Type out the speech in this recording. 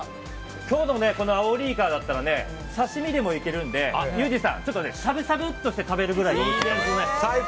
今日のアオリイカだったら刺し身でもいけるのでユージさん、しゃぶしゃぶっとして食べるくらいが。